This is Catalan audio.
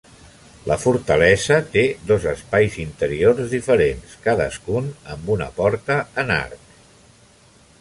La fortalesa té dos espais interiors diferents, cadascun amb una porta en arc.